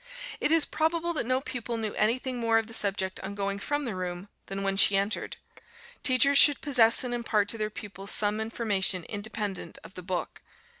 It is probable that no pupil knew anything more of the subject on going from the room than when she entered. Teachers should possess and impart to their pupils some information independent of the book.